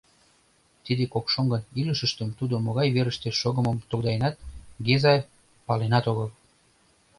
Тиде кок шоҥгын илышыштышт тудо могай верыште шогымым тогдаенат, Геза паленат огыл.